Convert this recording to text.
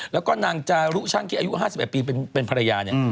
แล้วก็นางจารุช่างที่อายุ๕๑ปีเป็นภรรยาเนี่ย